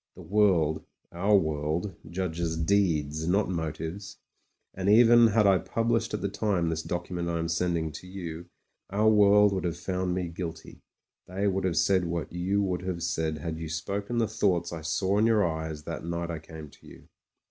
The world — our world — ^judges deeds, not mo 96 MEN, WOMEN AND GUNS tives ; and even had I published at the time this docu ment I am sending to you, our world would have found me guilty. They would have said what you would have said had you spoken the thoughts I saw in your eyes that night I came to you.